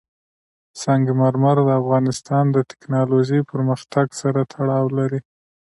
سنگ مرمر د افغانستان د تکنالوژۍ پرمختګ سره تړاو لري.